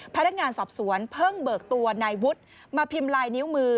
พนักงานสอบสวนเพิ่งเบิกตัวนายวุฒิมาพิมพ์ลายนิ้วมือ